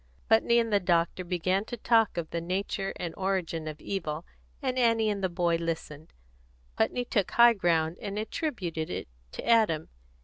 Putney and the doctor began to talk of the nature and origin of evil, and Annie and the boy listened. Putney took high ground, and attributed it to Adam.